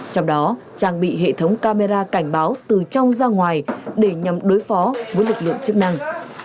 trong đó trang bị hệ thống camera cảnh báo từ trong ra ngoài để nhằm đối phó với lực lượng chức năng